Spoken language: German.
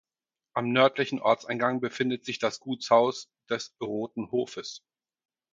Am nördlichen Ortseingang befindet sich das Gutshaus des „Roten Hofes“.